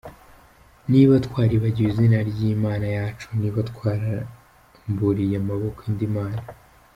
Niba twaribagiwe izina ry’Imana yacu, Niba twararamburiye amaboko indi mana